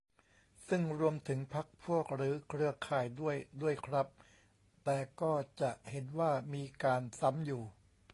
ซึ่งรวมถึง "พรรคพวก" หรือเครือข่ายด้วย ด้วยครับ แต่ก็จะเห็นว่ามีการ "ซ้ำ" อยู่